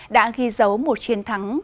đã ghi dấu một chiến thắng